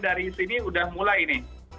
dari sini udah mulai nih